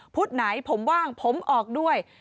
ไหนผมว่างผมออกด้วย